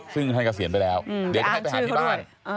ซึ่งท่านเกษียณไปแล้วเดี๋ยวจะให้ไปหาที่บ้าน